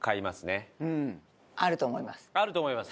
あると思います。